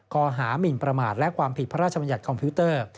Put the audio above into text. ข้อหามินประมาทและความผิดพระราชบัญญัติคอมพิวเตอร์